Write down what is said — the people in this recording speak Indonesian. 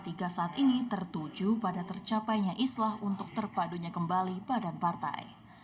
p tiga saat ini tertuju pada tercapainya islah untuk terpadunya kembali badan partai